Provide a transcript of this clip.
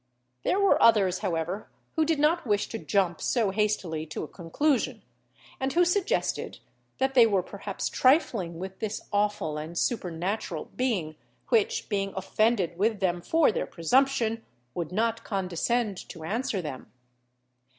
There were others, however, who did not wish to jump so hastily to a conclusion, and who suggested that they were perhaps trifling with this awful and supernatural being, which, being offended with them for their presumption, would not condescend to answer them.